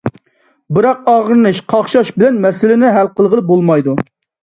بىراق، ئاغرىنىش، قاقشاش بىلەن مەسىلىنى ھەل قىلغىلى بولمايدۇ.